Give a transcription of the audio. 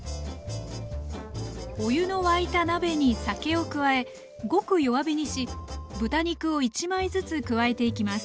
お湯の沸いた鍋に酒を加えごく弱火にし豚肉を１枚ずつ加えていきます。